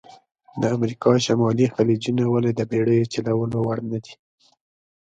د امریکا شمالي خلیجونه ولې د بېړیو چلول وړ نه دي؟